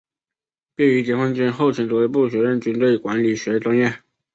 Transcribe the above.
毕业于解放军后勤指挥学院军队管理学专业。